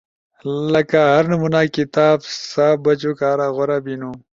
لکہ ہر نمونا کتاب سا بچو کارا غورا بینو۔